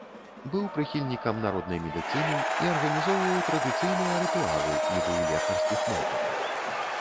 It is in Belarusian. Быў прыхільнікам народнай медыцыны і арганізоўваў традыцыйныя рытуалы нібы ў лекарскіх мэтах.